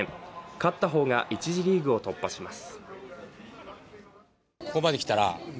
勝った方が１次リーグを突破します。